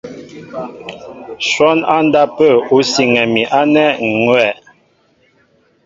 Shwɔ́n á ndápə̂ ú siŋɛ mi ánɛ̂ ŋ̀ hʉ́wɛ̂.